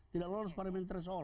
tidak harus para menter soal